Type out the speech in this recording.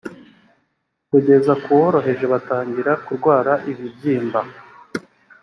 kugeza ku woroheje batangira kurwara ibibyimba